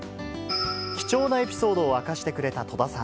貴重なエピソードを明かしてくれた戸田さん。